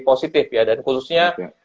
positif ya dan khususnya